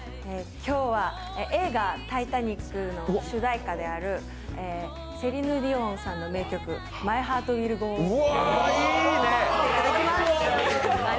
今日は映画「タイタニック」の主題歌であるセリーヌ・ディオンさんの名曲「ＭｙＨｅａｒｔＷｉｌｌＧｏＯｎ」を。